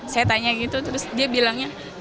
saya tanya gitu terus dia bilangnya